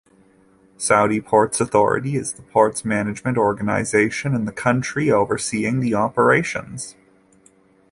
Saudi Ports Authority is the ports management organization in the country, overseeing the operations.